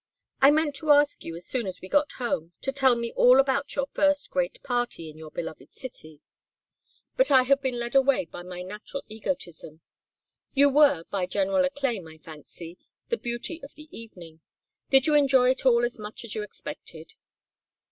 "I meant to ask you as soon as we got home to tell me all about your first great party in your beloved city, but I have been led away by my natural egotism. You were, by general acclaim, I fancy, the beauty of the evening. Did you enjoy it all as much as you expected?"